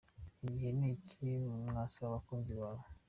Igihe : Ni iki wasaba abakunzi bawe ?.